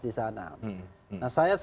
di sana nah saya